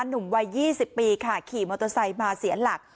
หนุ่มวัย๒๐ปีค่ะขี่มอเตอร์ไซค์มาเสียหลัก